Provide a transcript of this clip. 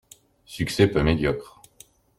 Succès peu médiocre.